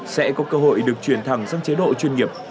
sẽ có cơ hội được chuyển thẳng sang chế độ chuyên nghiệp